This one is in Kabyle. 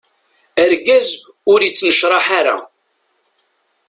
Argaz-a ur ittnecraḥ ara.